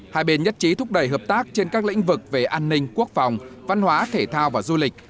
hai bên nhất trí thúc đẩy hợp tác trên các lĩnh vực về an ninh quốc phòng văn hóa thể thao và du lịch